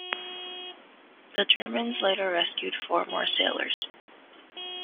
The Germans later rescued four more sailors.